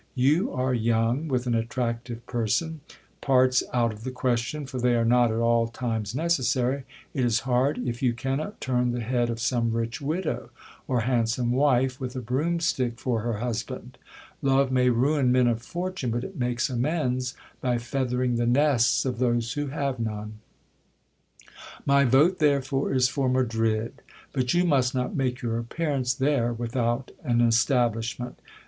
You are young, with an attractive person : parts out of the question, for they are not at all times necessary, it is hard if you cannot turn the head of some rich widow, or handsome wife with a broomstick for her husband. Dove may ruin men of fortune ; but it makes amends by feathering the nests of DONNA MENCIA'S COUSIN INTRODUCED TO HIM. 33 those who have none. My vote, therefore, is for Madrid : but you must not make your appearance there without an establishment.